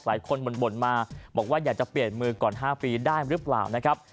คนบ่นมาบอกว่าอยากจะเปลี่ยนมือก่อน๕ปีได้หรือเปล่านะครับ